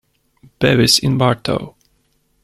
Bevis in Bartow.